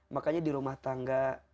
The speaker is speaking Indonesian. makanya di rumah tangga